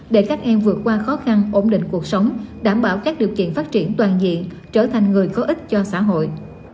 để các em vượt qua khó khăn ổn định cuộc sống đảm bảo các điều kiện phát triển toàn diện trở thành người có ích cho xã hội